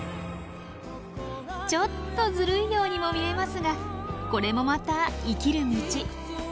ちょっとずるいようにも見えますがこれもまた生きる道。